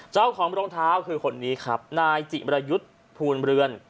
เจ้าของรองเท้าคือคนนี้ครับนายจิมรยุทธ์ภูลเรือน